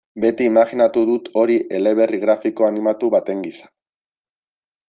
Beti imajinatu dut hori eleberri grafiko animatu baten gisa.